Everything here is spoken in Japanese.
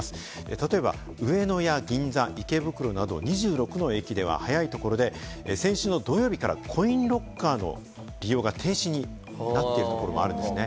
例えば上野や銀座、池袋など２６の駅では早いところで先週の土曜日からコインロッカーの利用が停止になっているところもあるんですね。